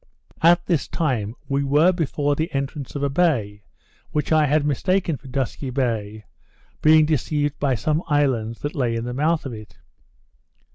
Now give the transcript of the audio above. At this time, we were before the entrance of a bay, which I had mistaken for Dusky Bay, being deceived by some islands that lay in the mouth of it.